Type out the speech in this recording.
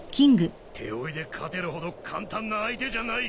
手負いで勝てるほど簡単な相手じゃない。